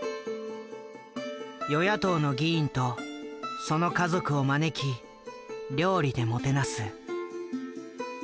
与野党の議員とその家族を招き料理でもてなす。